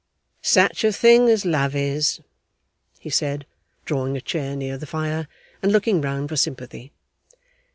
'Such a thing as love is!' he said, drawing a chair near the fire, and looking round for sympathy.